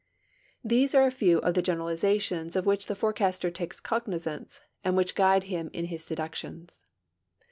These are a few of the generalizations of which the forecaster takes cognizance and which guide him in his deductions.